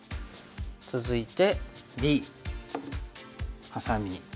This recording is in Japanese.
続いてＢハサミ。